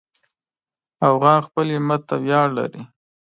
افغان خپل همت ته ویاړ لري.